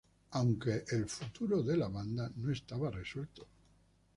Aunque futuro de la banda no estaba resuelto.